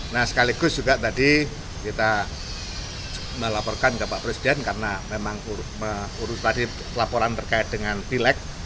nah sekaligus juga tadi kita melaporkan ke pak presiden karena memang mengurus tadi laporan terkait dengan pilek